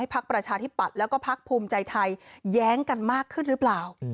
ให้ภพเตอร์ภาคภูมิใจไทยแล้วก็ภพภูมิใจไทยแย้งกันมากขึ้นหรือเปล่า